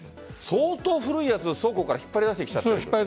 相当古いやつを倉庫から引っ張り出してきた？